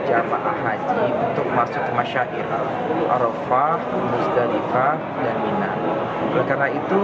jamaah haji untuk masuk ke masyarakat arafah musdalifah dan minah karena itu